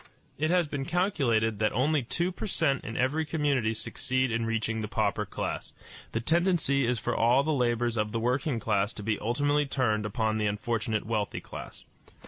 It has been calculated that only two per cent in every community succeed in reaching the pauper class. The tendency is for all the labors of the working class to be ultimately turned upon the unfortunate wealthy class.